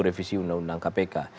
revisi undang undang kpk